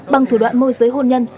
bằng thủ đoạn môi giới hôn nhân